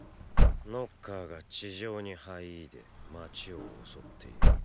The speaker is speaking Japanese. ノッカーが地上に這い出で街を襲っている。